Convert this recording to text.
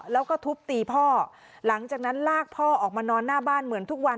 แล้วก็ทุบตีพ่อหลังจากนั้นลากพ่อออกมานอนหน้าบ้านเหมือนทุกวัน